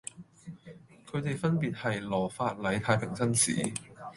佢地分別係羅發禮太平紳士